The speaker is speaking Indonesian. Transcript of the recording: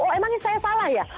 oh emangnya saya salah ya